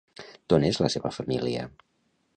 D'on és la seva família?